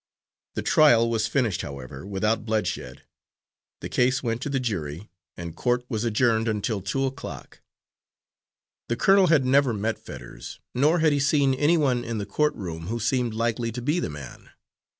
The trial was finished, however, without bloodshed; the case went to the jury, and court was adjourned until two o'clock. The colonel had never met Fetters, nor had he seen anyone in the court room who seemed likely to be the man.